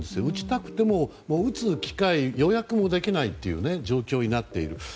打ちたくても、打つ機会予約もできないという状況になっている。